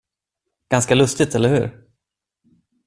Ganska lustigt, eller hur?